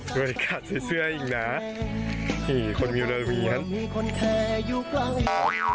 บอดี้การ์ดใส่เสื้อให้อีกนะนี่คนมิวเดิร์นมีอย่างนี้ครับ